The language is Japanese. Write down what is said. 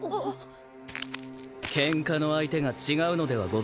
ケンカの相手が違うのではござらんか。